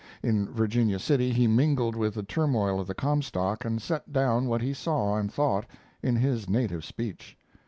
In Virginia City he mingled with the turmoil of the Comstock and set down what he saw and thought, in his native speech.